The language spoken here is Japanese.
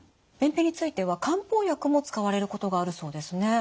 便秘については漢方薬も使われることがあるそうですね。